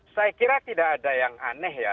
saya kira tidak ada yang aneh ya